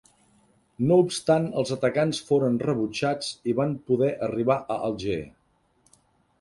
No obstant els atacants foren rebutjats i van poder arribar a Alger.